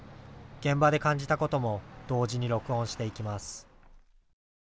現場で感じたことも同時に録音していきます。